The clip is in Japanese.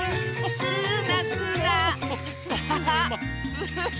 ウフフ！